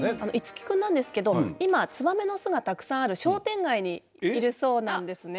樹くんなんですけど今ツバメの巣がたくさんある商店街にいるそうなんですね。